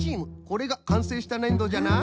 これがかんせいしたねんどじゃな。